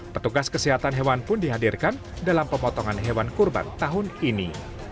petugas kesehatan hewan pun dihadirkan dalam pemotongan hewan kurban tahun ini